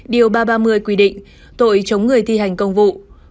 điều ba trăm ba mươi quy định tội chống người thi hành công vụ